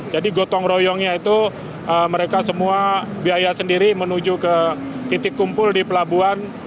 jadi gotong royongnya itu mereka semua biaya sendiri menuju ke titik kumpul di pelabuhan